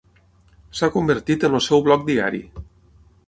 S'ha convertit en el seu blog diari.